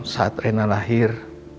saat rena lahir